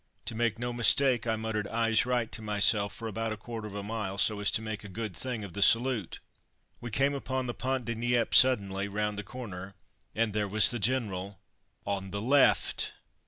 To make no mistake I muttered "Eyes right" to myself for about a quarter of a mile, so as to make a good thing of the salute. We came upon the Pont de Nieppe suddenly, round the corner, and there was the General on the left!